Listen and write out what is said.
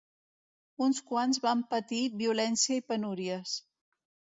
Uns quants van patir violència i penúries.